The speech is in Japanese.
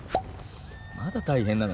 まだ大変なの？